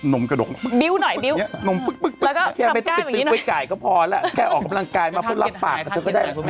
นมกระดกนมปึ๊บแล้วก็ขับก้าวแบบนี้หน่อยแค่ออกกำลังกายมาพอรับปากก็ได้